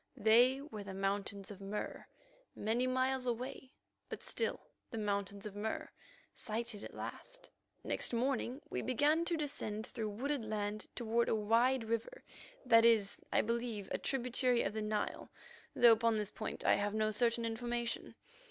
They were the Mountains of Mur many miles away, but still the Mountains of Mur, sighted at last. Next morning we began to descend through wooded land toward a wide river that is, I believe, a tributary of the Nile, though upon this point I have no certain information.